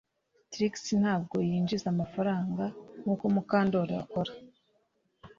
Trix ntabwo yinjiza amafaranga nkuko Mukandoli akora